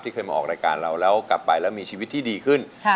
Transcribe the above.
เคยมาออกรายการเราแล้วกลับไปแล้วมีชีวิตที่ดีขึ้น